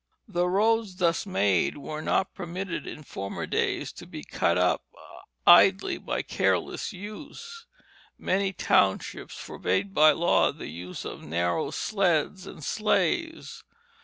The roads thus made were not permitted in former days to be cut up idly by careless use; many townships forbade by law the use of narrow sleds and sleighs.